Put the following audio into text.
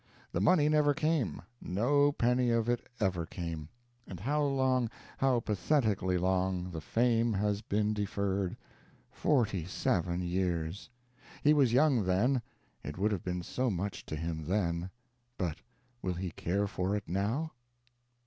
The money never came no penny of it ever came; and how long, how pathetically long, the fame has been deferred forty seven years! He was young then, it would have been so much to him then; but will he care for it now?